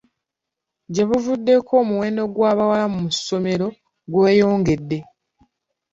Gye buvuddeko omuwendo gw'abawala mu ssomero gweyongedde.